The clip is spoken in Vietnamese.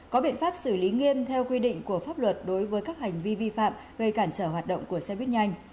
có biện pháp xử lý nghiêm theo quy định của pháp luật đối với các hành vi vi phạm gây cản trở hoạt động của xe buýt nhanh